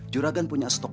juragan punya stok